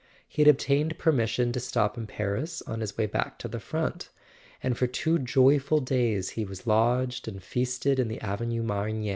He had ob¬ tained permission to stop in Paris on his way back to the front; and for two joyful days he was lodged and feasted in the Avenue Marigny.